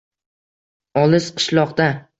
Olis qishloqda